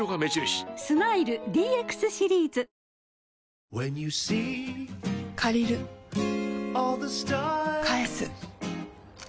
スマイル ＤＸ シリーズ！借りる返す